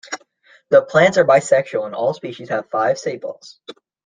The plants are bisexual, and all species have five sepals.